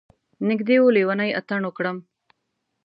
نږدې و لیونی اتڼ وکړم.